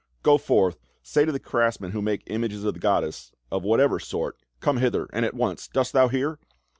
Go forth, say to the craftsmen who make images of the goddess — of whatever sort — come hither, and at once. Dost thou hear?"